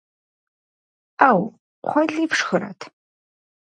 Ӏэу, кхъуэли фшхырэт?